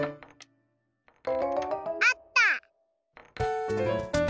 あった！